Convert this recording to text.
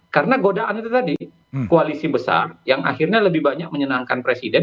karena godaan itu tadi koalisi besar yang akhirnya lebih banyak menyenangkan presiden